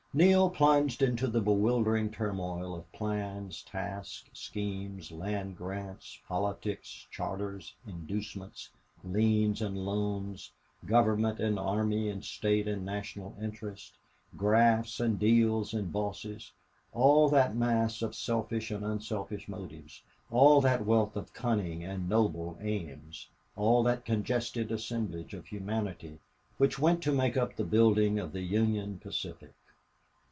Neale plunged into the bewildering turmoil of plans, tasks, schemes, land grants, politics, charters, inducements, liens and loans, Government and army and State and national interests, grafts and deals and bosses all that mass of selfish and unselfish motives, all that wealth of cunning and noble aims, all that congested assemblage of humanity which went to make up the building of the Union Pacific.